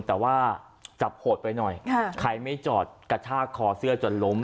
แต่ว่าจับโหดไปหน่อยใครไม่จอดกระชากคอเสื้อจนล้ม